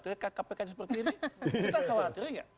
tapi kalau kpk nya seperti ini kita khawatir nggak